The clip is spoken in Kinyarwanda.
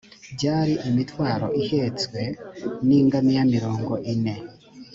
byari imitwaro ihetswe n ingamiya mirongo ine